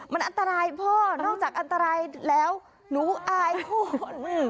มันอันตรายพ่อนอกจากอันตรายแล้วหนูอายคุณ